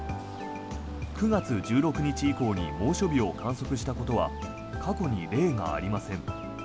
９月１６日以降に猛暑日を観測したことは過去に例がありません。